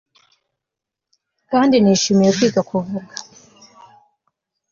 kandi nishimiye kwiga kuvuga